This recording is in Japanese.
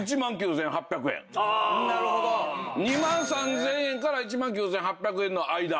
２万３０００円から１万９８００円の間。